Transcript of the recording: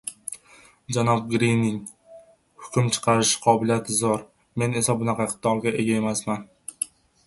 – Janob Grinning hukm chiqarish qobiliyati zoʻr, men esa bunaqa iqtidorga ega emasman.